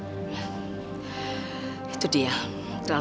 yang penting ibu jamin sudah ada pembelinya